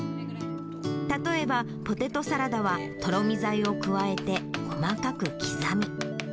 例えば、ポテトサラダはとろみ剤を加えて、細かく刻み。